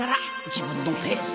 自分のペース！